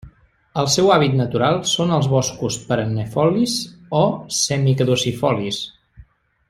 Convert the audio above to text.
El seu hàbitat natural són els boscos perennifolis o semicaducifolis.